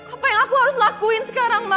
apa yang aku harus lakuin sekarang